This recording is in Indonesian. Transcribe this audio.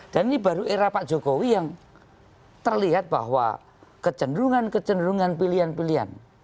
dan ini baru era pak jokowi yang terlihat bahwa kecenderungan kecenderungan pilihan pilihan